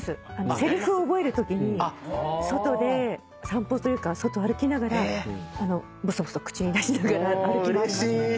せりふ覚えるときに外で散歩というか外歩きながらぼそぼそ口に出しながら歩き回りますね。